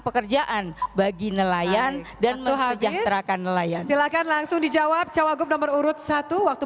pekerjaan bagi nelayan dan melihat rakan nelayan silakan langsung dijawab cowok nomor urut satu